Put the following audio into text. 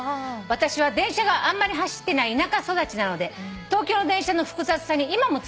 「私は電車があんまり走ってない田舎育ちなので東京の電車の複雑さに今もついていけません」